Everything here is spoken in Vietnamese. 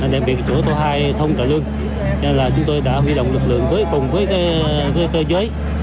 đặc biệt chỗ tôi hay thông trả lương cho nên là chúng tôi đã huy động lực lượng với cùng với cơ giới